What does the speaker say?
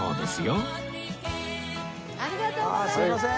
ありがとうございます。